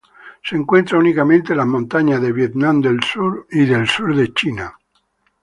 Se encuentra únicamente en las montañas de Vietnam y del sur de China.